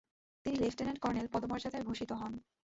তিনি lieutenant colonel পদমর্যাদায় ভূষিত হন।